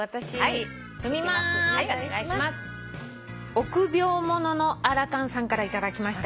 臆病者のアラ還さんからいただきました。